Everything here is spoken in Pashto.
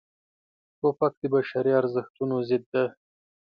توپک د بشري ارزښتونو ضد دی.